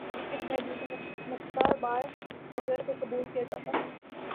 اس میں دوسرے نقطہ ہائے نظر کو قبول کیا جاتا ہے۔